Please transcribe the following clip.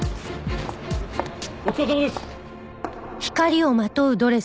お疲れさまです！